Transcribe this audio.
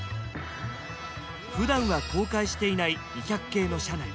ふだんは公開していない２００系の車内。